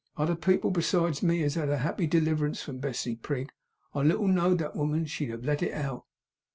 'Other people besides me has had a happy deliverance from Betsey Prig. I little know'd that woman. She'd have let it out!